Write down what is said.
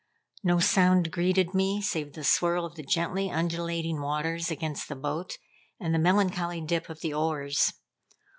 No sound greeted me save the swirl of the gently undulating waters against the boat, and the melancholy dip of the oars.